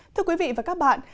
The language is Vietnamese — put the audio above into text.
thưa quý vị và các bạn